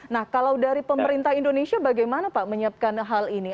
nah kalau dari pemerintah indonesia bagaimana pak menyiapkan hal ini